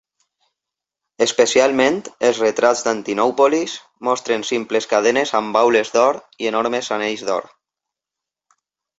Especialment els retrats d'Antinòupolis mostren simples cadenes amb baules d'or i enormes anells d'or.